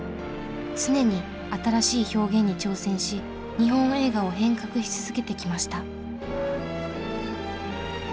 常に新しい表現に挑戦し日本映画を変革し続けてきました。